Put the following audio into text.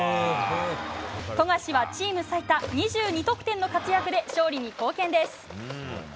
富樫はチーム最多２２得点の活躍で勝利に貢献です。